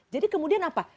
jadi kemudian apa